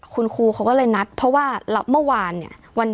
คุณครูเขาก็เลยนัดเพราะว่าเมื่อวานเนี่ย